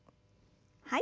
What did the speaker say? はい。